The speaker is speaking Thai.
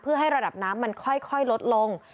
เพื่อให้ระดับน้ำมันค่อยลดลง